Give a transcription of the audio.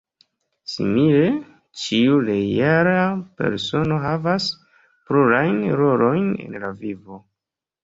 Simile, ĉiu reala persono havas plurajn rolojn en la vivo.